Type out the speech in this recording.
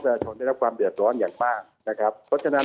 เรียกรู้สึกว่าตอนนี้กระทรวงการคลังคุยกันอยู่ที่นี้